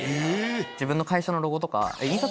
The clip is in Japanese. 自分の会社のロゴとか。